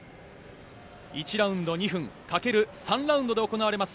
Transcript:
１ラウンド２分掛ける３ラウンドで行われます。